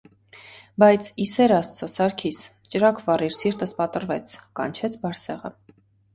- Բայց, ի սեր աստծո, Սարգիս, ճրագ վառիր, սիրտս պատռվեց,- կանչեց Բարսեղը: